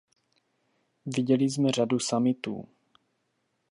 Viděli jsme řadu summitů.